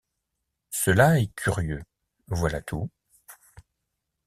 Cela est curieux, voilà tout.